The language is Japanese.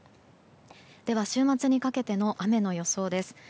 では、週末にかけての雨の予想です。